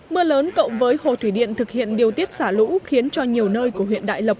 mưa lớn cộng với hồ thủy điện thực hiện điều tiết xả lũ khiến cho nhiều nơi của huyện đại lộc